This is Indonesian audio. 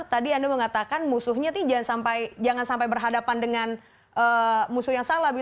tadi anda mengatakan musuhnya jangan sampai berhadapan dengan musuh yang salah